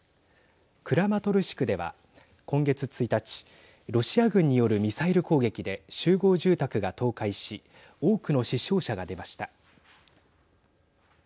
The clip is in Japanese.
クラマトルシクでは今月１日ロシア軍によるミサイル攻撃で集合住宅が倒壊し多くの死傷者が出ました。